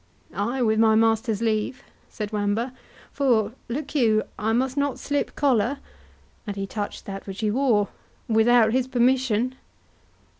"Ay, with my master's leave," said Wamba; "for, look you, I must not slip collar" (and he touched that which he wore) "without his permission."